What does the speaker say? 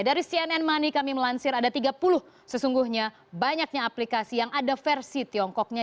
dari cnn money kami melansir ada tiga puluh sesungguhnya banyaknya aplikasi yang ada versi tiongkoknya